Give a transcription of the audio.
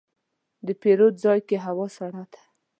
د پیرود ځای کې هوا سړه ده.